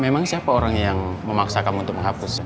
memang siapa orang yang memaksa kamu untuk menghapus